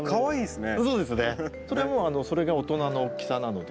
それもうそれで大人の大きさなので。